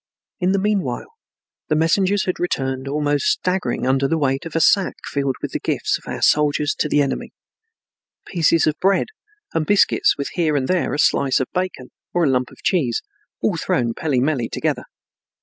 In the mean while the messengers had returned almost staggering under the weight of a sack filled with the gifts of our soldiers to the enemy, pieces of bread and biscuits with here and there a slice of bacon or a lump of cheese, all thrown pele mele together.